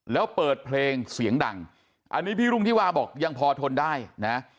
แล้วเปิดเพลงเสียงดังอันนี้พี่รุ่งที่วาบอกยังพอทนได้นะ